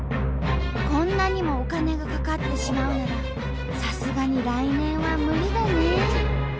「こんなにもお金がかかってしまうならさすがに来年はムリだね」。